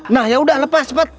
nah yaudah lepas cepat